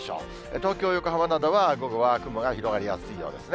東京、横浜などは午後は雲が広がりやすいようですね。